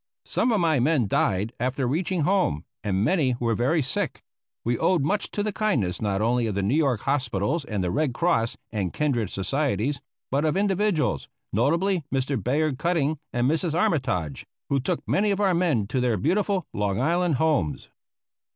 Some of my men died after reaching home, and many were very sick. We owed much to the kindness not only of the New York hospitals and the Red Cross and kindred societies, but of individuals, notably Mr. Bayard Cutting and Mrs. Armitage, who took many of our men to their beautiful Long Island homes.